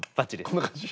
こんな感じ？